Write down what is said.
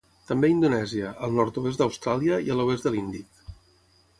També a Indonèsia, al nord-oest d'Austràlia i a l'oest de l'Índic.